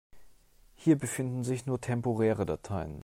Hier befinden sich nur temporäre Dateien.